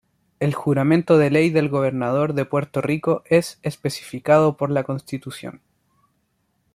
El juramento de Ley del Gobernador de Puerto Rico es especificado por la Constitución.